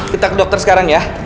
kita ke dokter sekarang ya